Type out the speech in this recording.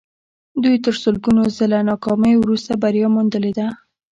دوی تر سلګونه ځله ناکامیو وروسته بریا موندلې ده